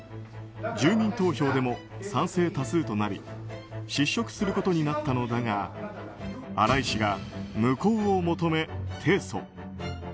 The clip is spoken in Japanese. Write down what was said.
住民投票でも賛成多数となり失職することになったのだが新井氏が無効を求め提訴。